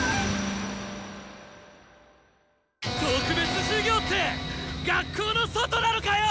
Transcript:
特別授業って学校の外なのかよ！